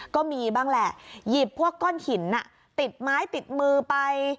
ก็มีบ้างแหละหยิบพวกก้อนหินติดไม้ติดมือไป